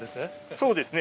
そうですね